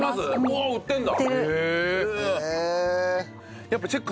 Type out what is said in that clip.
おっ売ってんだ！